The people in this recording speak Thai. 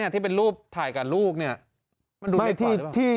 ที่เป็นรูปถ่ายกับลูกเนี่ย